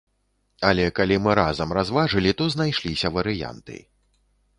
Але калі мы разам разважылі, то знайшліся варыянты.